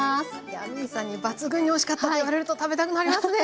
ヤミーさんに抜群においしかったと言われると食べたくなりますね。